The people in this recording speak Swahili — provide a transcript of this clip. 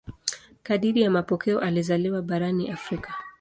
Kadiri ya mapokeo alizaliwa barani Afrika.